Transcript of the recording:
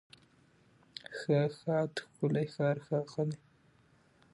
ښه، ښاد، ښکلی، ښار، ښاغلی